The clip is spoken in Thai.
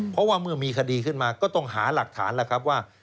เพราะว่าเมื่อมีคดีขึ้นมาก็ต้องหาหลักฐานแล้วครับว่า